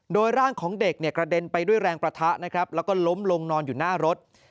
โดยร่างของเด็กเนี่ยกระเด็นไปด้วยแรงประทะนะครับแล้วก็ล้มลงนอนอยู่หน้ารถ